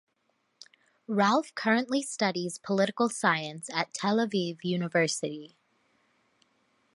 Ralph currently studies political science at Tel Aviv University.